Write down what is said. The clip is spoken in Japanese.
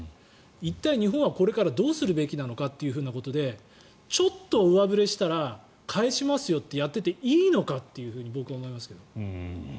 一体、日本はこれからどうするべきなのかというふうなことでちょっと上振れしたら返しますよとやってていいのかと僕は思いますよ。